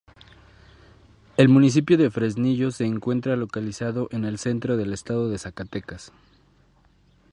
El municipio de Fresnillo se encuentra localizado en el centro del Estado de Zacatecas.